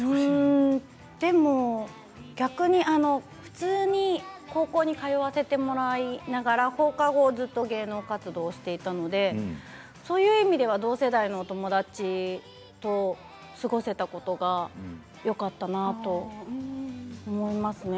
でも逆に普通に高校に通わせてもらいながら放課後に芸能活動をしていたのでそういう意味では同世代のお友達と過ごせたことがよかったなと思いますね。